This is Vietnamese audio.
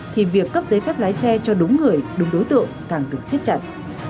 thì việc cấp giấy phép lái xe cho đúng người đúng đối tượng càng được siết chặt